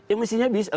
ya mestinya bisa